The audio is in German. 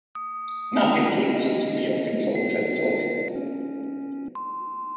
Nach dem Krieg zog sie sich aus dem Showgeschäft zurück.